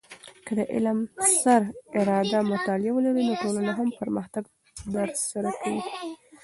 که د علم سر اراده مطالعه ولرې، نو ټولنه هم پرمختګ در سره کوي.